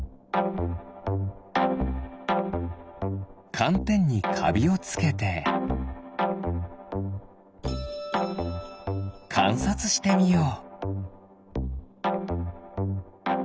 かんてんにかびをつけてかんさつしてみよう。